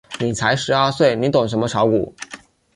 你才十二岁，你懂什么炒股？